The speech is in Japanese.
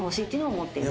持ってる。